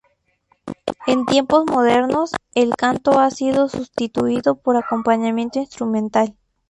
En tiempos modernos, el canto ha sido sustituido por acompañamiento instrumental.